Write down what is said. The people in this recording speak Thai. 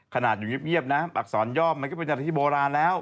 ขนาดอยู่เงียบนะอักษรย่อมมันก็เป็นอะไรที่โบราณแล้ว